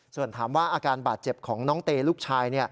ส่วนถามว่าอาการบาดเจ็บของน้องเตลูกชาย